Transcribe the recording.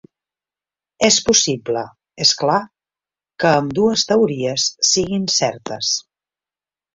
És possible, és clar, que ambdues teories siguin certes.